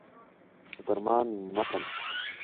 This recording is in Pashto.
د فرمان متن.